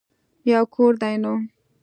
يو کور دی نو.